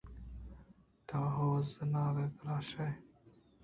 تو اوژناگ ءَ گلائیش ئے